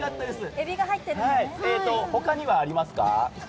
他にはありますか？